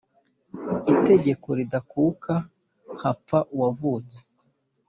itegeko ridakuka: hapfa uwavutse